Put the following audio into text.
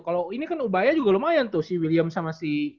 kalau ini kan ubaya juga lumayan tuh si william sama si